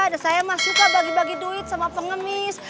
dan saya mah suka bagi bagi duit sama pengemis